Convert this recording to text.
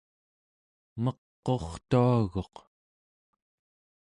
meq'urtuaguq